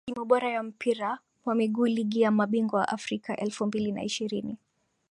Timu bora ya Mpira wa Miguu Ligi ya Mabingwa Afrika elfu mbili na ishirini